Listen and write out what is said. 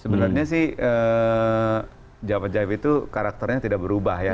sebenarnya sih jawabannya itu karakternya tidak berubah ya